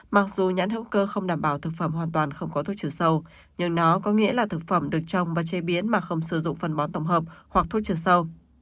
mặc dù nhãn hữu cơ không đảm bảo thực phẩm hoàn toàn không có thuốc trừ sâu nhưng nó có nghĩa là thực phẩm được trồng và chế biến mà không sử dụng phân bón tổng hợp hoặc thuốc trừ sâu